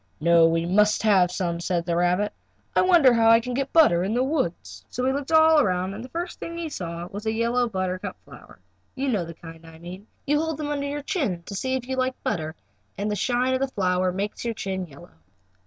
"No, we must have some," said the rabbit. "I wonder how I can get butter in the woods?" So he looked all around and the first thing he saw was a yellow buttercup flower. You know the kind I mean. You hold them under your chin to see if you like butter, and the shine of the flower makes your chin yellow.